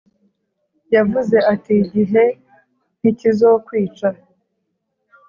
yavuze ati: 'igihe ntikizokwica.'